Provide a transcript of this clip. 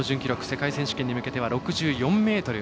世界選手権に向けては６４ｍ。